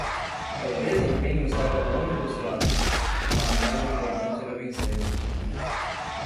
O desempenho estava longe dos clássicos, mas o mais importante era vencer.